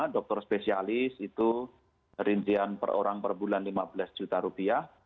dokter spesialis itu rincian per orang per bulan lima belas juta rupiah